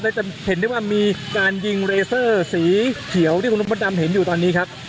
และจะเห็นได้ว่ามีการยิงเรเซอร์สีเขียวที่คุณน้ำมดดำเห็นอยู่ตอนนี้ครับ